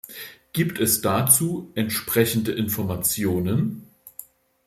Gibt es dazu entsprechende Informationen?